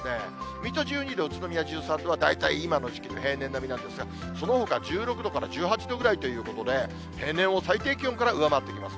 水戸１２度、宇都宮１３度は、大体この時期の平年並みなんですが、そのほか１６度から１８度ぐらいということで、平年を最低気温から上回ってきます。